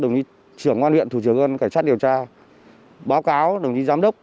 chúng tôi đã tham mưu do đồng chí trưởng quan viện thủ trưởng cải sát điều tra báo cáo đồng chí giám đốc